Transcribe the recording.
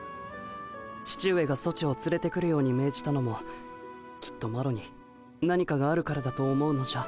父上がソチをつれてくるように命じたのもきっとマロに何かがあるからだと思うのじゃ。